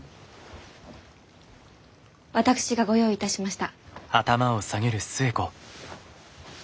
私がご用意いたしました。